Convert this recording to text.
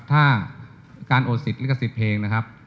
ถ้าการโอดสิทธิลิขสิทธิ์เพลงนะครับ